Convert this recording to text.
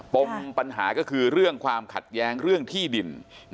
ปมปัญหาก็คือเรื่องความขัดแย้งเรื่องที่ดิน